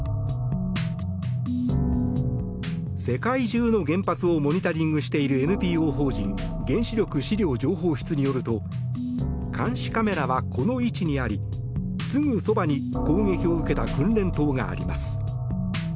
世界中の原発をモニタリングしているＮＰＯ法人原子力資料情報室によると監視カメラはこの位置にありすぐそばに攻撃を受けた訓練棟があります。